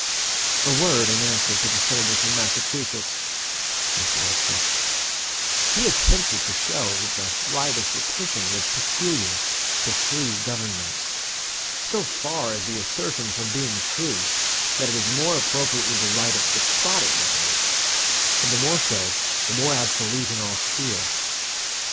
A word in answer to the Senator from Massachusetts [Mr. Webster]. He attempted to show that the right of petition was peculiar to free governments. So far is the assertion from being true, that it is more appropriately the right of despotic governments; and the more so, the more absolute and austere.